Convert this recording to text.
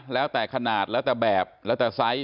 แล้วแต่ขนาดแล้วแต่แบบแล้วแต่ไซส์